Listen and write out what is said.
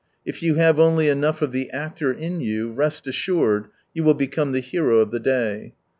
If you have only enough of the actor in you, rest assured, you will become the hero of the day.